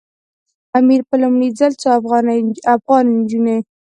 امیر په لومړي ځل څو افغاني نجونې.